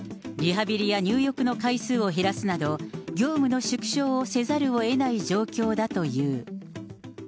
リハビリや入浴の回数を減らすなど、業務の縮小をせざるをえない状況だという。